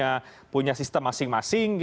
yang punya sistem masing masing